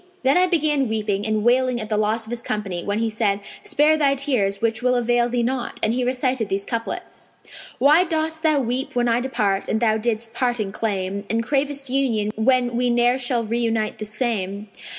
Then I began weeping and wailing at the loss of his company when he said, 'Spare thy tears which will avail thee naught!'; and he recited these couplets, 'Why dost thou weep when I depart and thou didst parting claim; * And cravest union when we ne'er shall reunite the same?